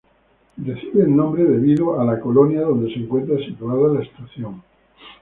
Recibe el nombre debido a la colonia donde se encuentra situada la estación.